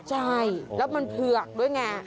ใช่แล้วมันเผือกด้วยไง